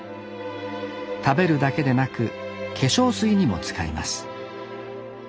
食べるだけでなく化粧水にも使います。